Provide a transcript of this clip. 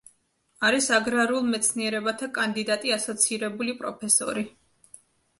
არის აგრარულ მეცნიერებათა კანდიდატი, ასოცირებული პროფესორი.